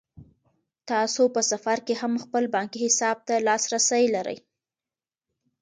تاسو په سفر کې هم خپل بانکي حساب ته لاسرسی لرئ.